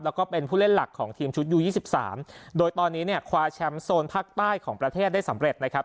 แล้วก็เป็นผู้เล่นหลักของทีมชุดยูยี่สิบสามโดยตอนนี้เนี่ยคว้าแชมป์โซนภาคใต้ของประเทศได้สำเร็จนะครับ